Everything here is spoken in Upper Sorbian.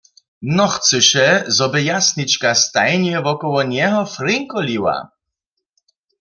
Nochcyše, zo by Jasnička stajnje wokoło njeho frinkoliła.